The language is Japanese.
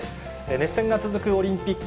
熱戦が続くオリンピック。